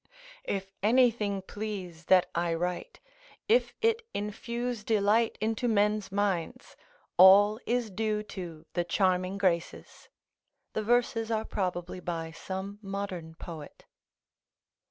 ["If anything please that I write, if it infuse delight into men's minds, all is due to the charming Graces." The verses are probably by some modern poet.